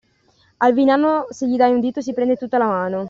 Al villano se gli dai un dito si prende tutta la mano.